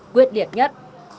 quyệt liệt nhất